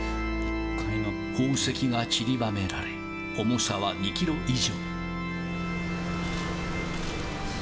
宝石がちりばめられ、重さは２キロ以上。